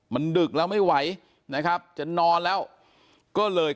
มันดึกแล้วไม่ไหวนะครับจะนอนแล้วก็เลย